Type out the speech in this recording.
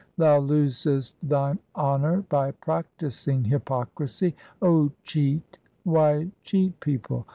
thou losest thine honour by practising hypocrisy. O cheat, why cheat people